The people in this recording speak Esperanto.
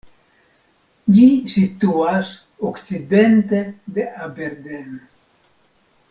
Ĝi situas okcidente de Aberdeen.